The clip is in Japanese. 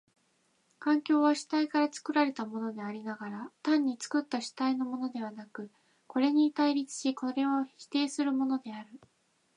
環境は主体から作られたものでありながら、単に作った主体のものではなく、これに対立しこれを否定するものである。